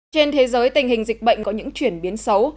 trên thế giới tình hình dịch bệnh có những chuyển biến xấu